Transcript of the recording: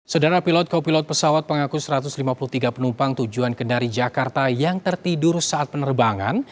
saudara pilot kopilot pesawat mengaku satu ratus lima puluh tiga penumpang tujuan kendari jakarta yang tertidur saat penerbangan